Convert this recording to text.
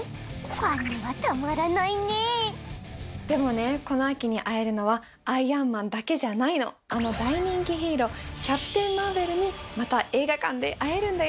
ファンにはたまらないねでもねこの秋に会えるのはアイアンマンだけじゃないのあの大人気ヒーローキャプテン・マーベルにまた映画館で会えるんだよ